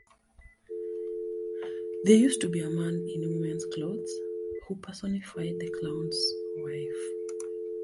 There used to be a man in women's clothes who personified the clown's wife.